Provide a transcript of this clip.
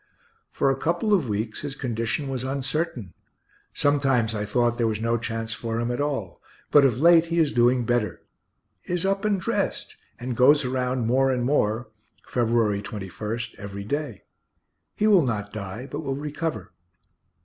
For a couple of weeks his condition was uncertain sometimes I thought there was no chance for him at all; but of late he is doing better is up and dressed, and goes around more and more (February 21) every day. He will not die, but will recover.